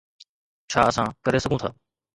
ڇا اسان ڪري سگهون ٿا؟